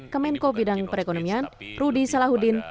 kemenko bidang perekonomian rudy salahuddin